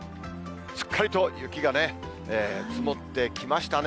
すっかりと雪が積もってきましたね。